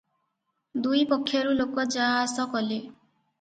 ଦୁଇପକ୍ଷରୁ ଲୋକ ଯା ଆସ କଲେ ।